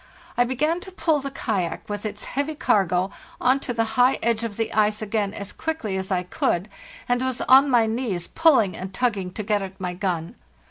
I began to pull the kayak, with its heavy cargo, on to the high edge of the ice again as quickly as I could, and was on my knees pulling and tugging to get at my gun.